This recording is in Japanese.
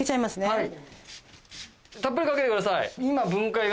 はい。